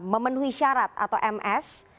memenuhi syarat atau ms